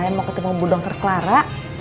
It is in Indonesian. saya mau ketemu bu dr clara